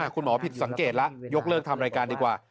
คุณหมอผิดสังเกตแล้วยกเลิกทำรายการดีกว่า